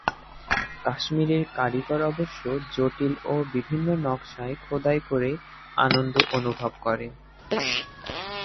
কাশ্মীরের কারিগর অবশ্য জটিল ও বিভিন্ন নকশায় খোদাই করে আনন্দ অনুভব করে।